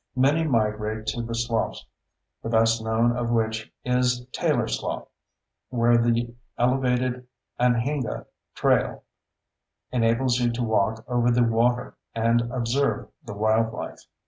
Many migrate to the sloughs, the best known of which is Taylor Slough, where the elevated Anhinga Trail enables you to walk over the water and observe the wildlife.